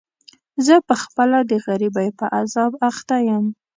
زه په خپله د غريبۍ په عذاب اخته يم.